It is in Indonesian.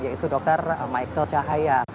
yaitu dokter michael cahaya